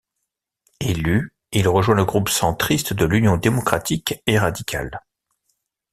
Élu, il rejoint le groupe centriste de l'Union démocratique et radicale.